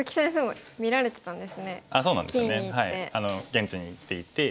現地に行っていて。